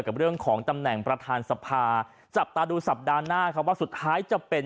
กับเรื่องของตำแหน่งประธานสภาจับตาดูสัปดาห์หน้าครับว่าสุดท้ายจะเป็น